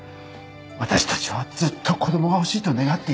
私たちはずっと子供が欲しいと願っていたから。